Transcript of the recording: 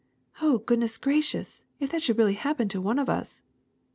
'' 0h, goodness gracious ! if that should really hap pen to one of us!